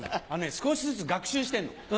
少しずつ学習してんの。